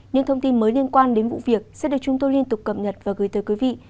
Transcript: những thông tin mới liên quan đến vụ việc sẽ được chúng tôi liên tục cập nhật và gửi tới quý vị